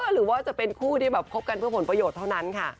หรือว่าจะเป็นคู่ที่แบบคบกันเพื่อผลประโยชน์เท่านั้นค่ะ